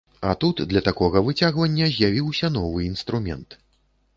А тут для такога выцягвання з'явіўся новы інструмент!